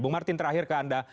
bung martin terakhir ke anda